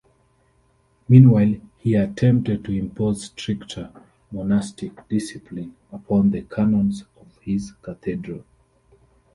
Meanwhile, he attempted to impose stricter monastic discipline upon the canons of his cathedral.